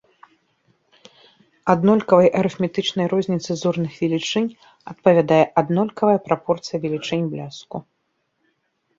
Аднолькавай арыфметычнай розніцы зорных велічынь адпавядае аднолькавае прапорцыя велічынь бляску.